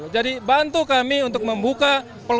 jadi bantu kami untuk membubuhkan